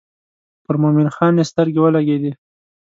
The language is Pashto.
پر مومن خان یې سترګې ولګېدې.